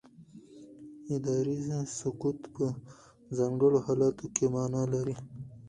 اداري سکوت په ځانګړو حالاتو کې معنا لري.